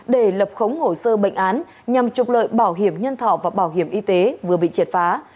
để lập khống hồ sơ bệnh án nhằm trục lợi bảo hiểm nhân thọ và bảo hiểm y tế vừa bị triệt phá